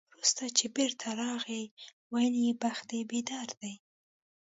وروسته چې بېرته راغی، ویل یې بخت دې بیدار دی.